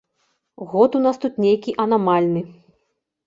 Год у нас тут нейкі анамальны!